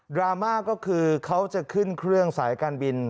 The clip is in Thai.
ราม่าก็คือเขาจะขึ้นเครื่องสายการบิน